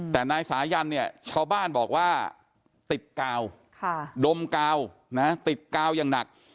แต่นายสายันเนี่ยชาวบ้านบอกว่าติดกาวดมกาวนะติดกาวอย่างหนัก